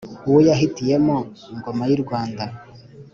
Uwo yahitiyemo ingoma y’i Rwanda